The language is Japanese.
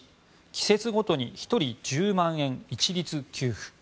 季節ごとに１人１０万円一律給付。